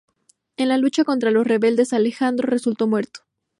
En la lucha contra los rebeldes Alejandro resultó muerto.